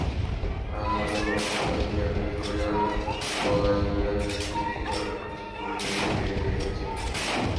আজ আমার মনকে আমি তেমনি করিয়া বলাইয়াছি যে, আমি ইচ্ছা করিয়াই জেলে যাইতেছি।